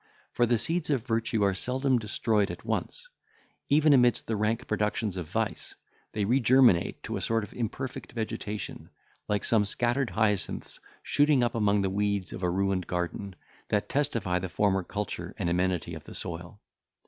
For the seeds of virtue are seldom destroyed at once. Even amidst the rank productions of vice, they regerminate to a sort of imperfect vegetation, like some scattered hyacinths shooting up among the weeds of a ruined garden, that testify the former culture and amenity of the soil.